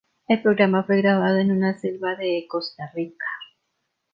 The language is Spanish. El programa fue grabado en una selva de "Costa Rica".